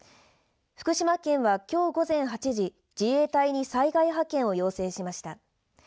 福島県は、きょう午前８時自衛隊に災害派遣を要請しました。